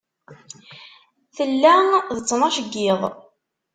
Tella d ttnac n yiḍ.